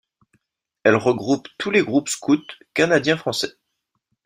Elle regroupe tous les groupes scouts canadiens-français.